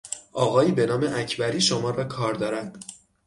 آقایی به نام اکبری شما را کار دارد.